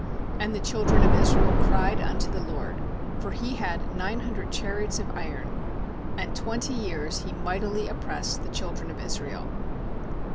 3And the children of Israel cried unto the LORD; for he had nine hundred chariots of iron; and twenty years he mightily op pressed the children of Israel.